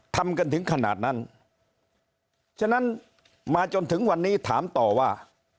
ทำกันถึงขนาดนั้นฉะนั้นมาจนถึงวันนี้ถามต่อว่า